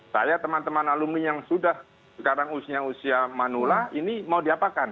saya teman teman alumni yang sudah sekarang usia usia manula ini mau diapakan